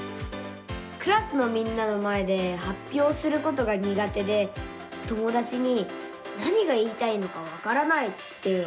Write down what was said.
クラスのみんなの前ではっぴょうすることがにが手で友だちに「何が言いたいのかわからない」って言われちゃうんです。